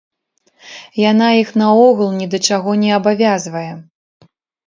Яна іх наогул ні да чаго не абавязвае.